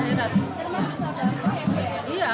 ya masih bisa dapet